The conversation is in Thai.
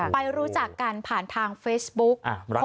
รู้จักกันผ่านทางเฟซบุ๊ก